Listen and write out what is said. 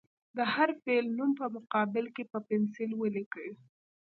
د هر فعل نوم په مقابل کې په پنسل ولیکئ.